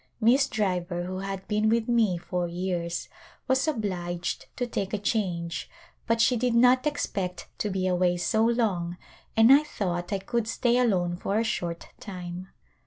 Miss Driver who had been with me four years was obliged to take a change but she did not expect to be away so long and I thought I could stay alone for a short time.